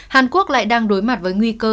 hàn quốc lại đang đối mặt với nguy cơ